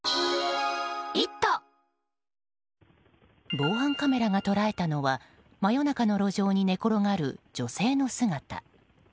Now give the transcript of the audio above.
防犯カメラが捉えたのは真夜中の路上に寝転がる女性の姿。